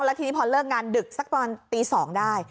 และพอเลิกงานดึกสักตอนตีสองได้